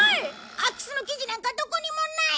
空き巣の記事なんかどこにもない！